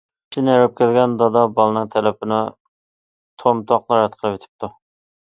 ئىشتىن ھېرىپ كەلگەن دادا بالىنىڭ تەلىپىنى تومتاقلا رەت قىلىۋېتىپتۇ.